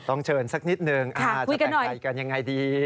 ต้องเชิญสักนิดนึงจะแต่งไทยกันยังไงดี